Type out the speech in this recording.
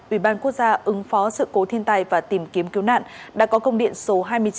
ủy ban quốc gia ứng phó sự cố thiên tai và tìm kiếm cứu nạn đã có công điện số hai mươi chín